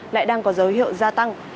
lại đang có dấu hiệu gia tăng